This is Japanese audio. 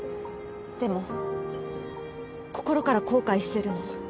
でも心から後悔してるの。